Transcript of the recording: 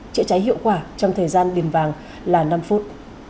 chữa cháy hiệu quả trong thời gian điểm vàng là năm phút